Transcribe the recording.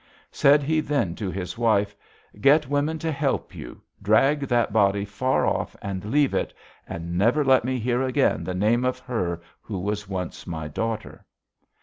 Said he then to his wife: 'Get women to help you; drag that body far off and leave it, and never let me hear again the name of her who was once my daughter!'